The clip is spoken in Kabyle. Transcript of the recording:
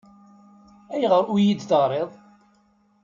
Ayɣer ur iyi-d-teɣriḍ?